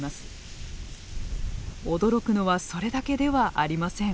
驚くのはそれだけではありません。